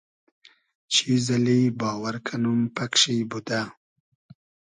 چیز اللی باوئر کئنوم پئگ شی بودۂ